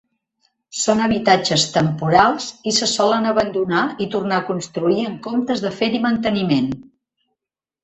Són habitatges temporals, i se solen abandonar i tornar a construir en comptes de fer-hi manteniment.